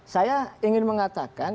saya ingin mengatakan